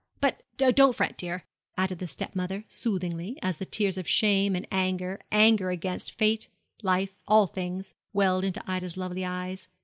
But don't fret, dear,' added the step mother, soothingly, as the tears of shame and anger anger against fate, life, all things welled into Ida's lovely eyes.